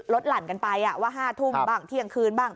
หลั่นกันไปว่า๕ทุ่มบ้างเที่ยงคืนบ้าง